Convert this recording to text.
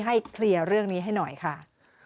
เคลียร์เรื่องนี้ให้หน่อยค่ะ